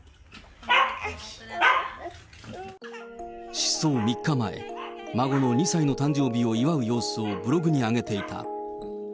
失踪３日前、孫の２歳の誕生日を祝う様子をブログに上げていた。